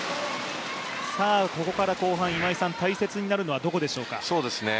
ここから後半、大切になるのはどこでしょうか。